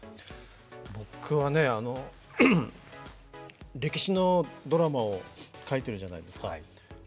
僕はね、歴史のドラマを書いてるじゃないですか。